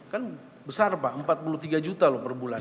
kan besar pak empat puluh tiga juta loh per bulan